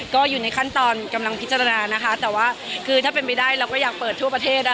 ก็อยู่ในขั้นตอนกำลังพิจารณานะคะแต่ว่าคือถ้าเป็นไปได้เราก็อยากเปิดทั่วประเทศ